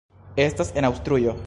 Estas en Aŭstrujo.